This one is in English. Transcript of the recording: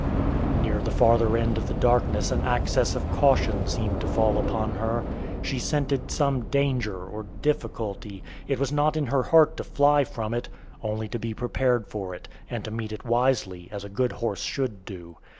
Near the farther end of the darkness an access of caution seemed to fall upon her. She scented some danger or difficulty; it was not in her heart to fly from it only to be prepared for it, and to meet it wisely, as a good horse should do.